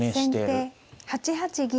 先手８八銀。